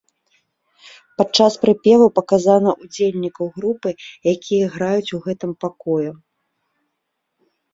Пад час прыпеву паказана удзельнікаў групы, якія граюць у гэтым пакоі.